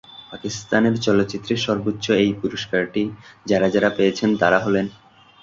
পাকিস্তানের চলচ্চিত্রে সর্ব্বোচ্চ এই পুরস্কারটি যারা যারা পেয়েছেন তারা হলেনঃ